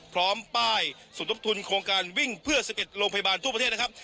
พร้อมป้ายสมทบทุนโครงการวิ่งเพื่อ๑๑โรงพยาบาลทั่วประเทศนะครับ